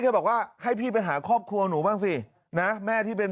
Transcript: บอกว่าให้พี่ไปหาครอบครัวหนูบ้างสินะแม่ที่เป็น